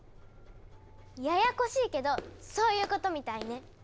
ややこしいけどそういうことみたいね。